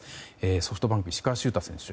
ソフトバンク、石川柊太選手